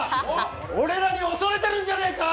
俺らに恐れてるんじぇねぇか？